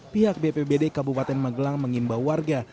pihak bpbd kabupaten magelang mengimbau warga